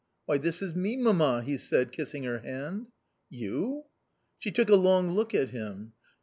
" Why, this is me, mamma," he said, kissing her hand. " You ?" She took a long look at him.